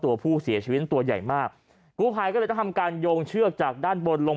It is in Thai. ตัวผู้เสียชีวิตตัวใหญ่มากกู้ภัยก็เลยต้องทำการโยงเชือกจากด้านบนลง